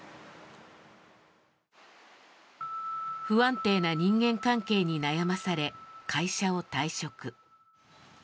不安定な人間関係に悩まされ会社を退職。